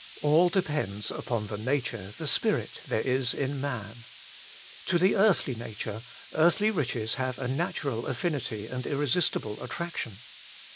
All depends upon the nature, the spirit, there is in man. To the earthly nature, earthly riches have a natural affinity and irresistible attraction.